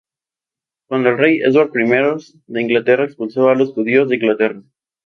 Cuando el rey Edward I de Inglaterra expulsó a los judíos de Inglaterra.